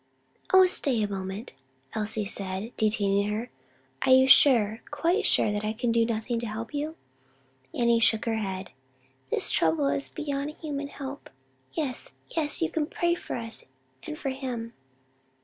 "Ah, stay a moment," Elsie said, detaining her, "are you sure, quite sure that I can do nothing to help you?" Annie shook her head. "This trouble is beyond human help. Yes, yes, you can pray for us, and for him."